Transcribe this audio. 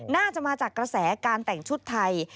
น่าจะมาจากกระแสการแต่งชุดไทย